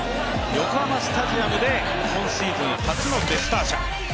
横浜スタジアムで今シーズン初のデスターシャ。